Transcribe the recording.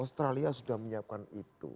australia sudah menyiapkan itu